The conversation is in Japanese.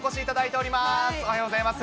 おはようございます。